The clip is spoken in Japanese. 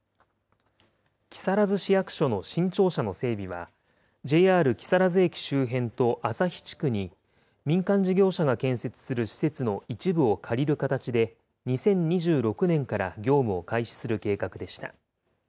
木更津市役所の新庁舎の整備はＪＲ木更津駅周辺と朝日地区に、民間事業者が建設する施設の一部を借りる形で、２０２６年から業務を開始する計画でした。